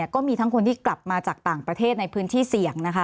ก็มีทั้งคนที่กลับมาจากต่างประเทศในพื้นที่เสี่ยงนะคะ